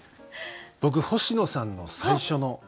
僕星野さんの最初の。